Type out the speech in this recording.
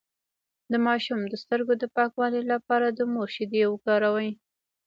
د ماشوم د سترګو د پاکوالي لپاره د مور شیدې وکاروئ